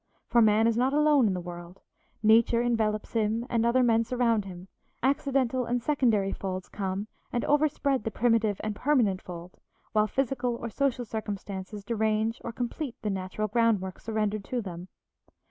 For man is not alone in the world; nature envelops him and other men surround him; accidental and secondary folds come and overspread the primitive and permanent fold, while physical or social circumstances derange or complete the natural groundwork surrendered to them.